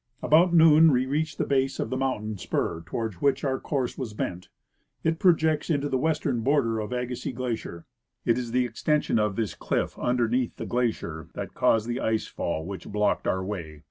About noon we reached the base of the mountain spur toward which our course was bent. It projects into the western border of Agassiz glacier. It is the extension of this cliff underneath the glacier that caused the ice fall which blocked our way.